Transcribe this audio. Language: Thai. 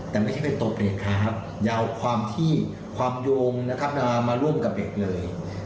แต่ไม่ใช่ไปตกเลยครับอย่าเอาความที่ความโยงมาร่วมกับเด็กเลย